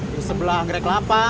di sebelah anggrek delapan